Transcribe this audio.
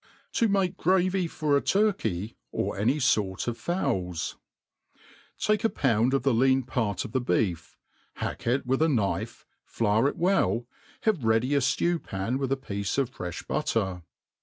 To make Gravy for a Turkey^ or any fori of Fowls. ' TAKE a pound of the lean part of the beef, hack it with a knife,, flour it well, have ready a ftew pan with a piece ,of frelh butter.